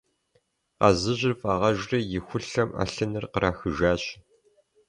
Къазыжьыр фӀагъэжри, и хулъэм Ӏэлъыныр кърахыжащ.